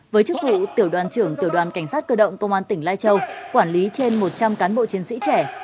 với chức vụ tiểu đoàn trưởng tiểu đoàn cảnh sát cơ động công an tỉnh lai châu quản lý trên một trăm linh cán bộ chiến sĩ trẻ